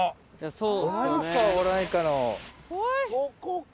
そこか。